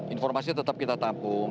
informasi tetap kita tampung